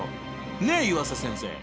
ねえ湯浅先生。